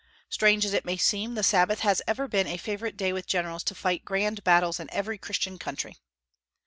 Strange as it may seem, the Sabbath has ever been a favorite day with generals to fight grand battles in every Christian country.